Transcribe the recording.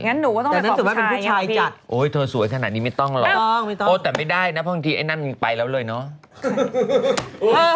งั้นหนูก็ต้องไปขอบผู้ชายอย่างน้อยพี่โอ้ยเธอสวยขนาดนี้ไม่ต้องหรอกโอ๊ยแต่ไม่ได้นะเพราะบางทีไอ้นั่นมันไปแล้วเลยเนาะ